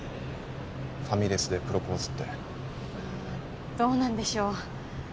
ファミレスでプロポーズっていやあどうなんでしょう？